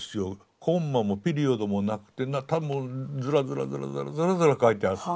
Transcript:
コンマもピリオドもなくてただもうズラズラズラズラズラズラ書いてあって。